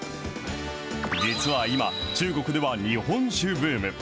実は今、中国では日本酒ブーム。